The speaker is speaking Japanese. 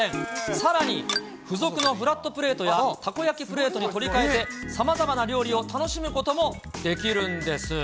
さらに、付属のフラットプレートやたこ焼きプレートに取り換えて、さまざまな料理を楽しむこともできるんです。